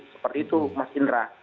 seperti itu mas indra